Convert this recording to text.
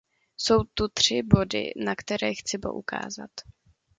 Jsou tu tři body, na které chci poukázat.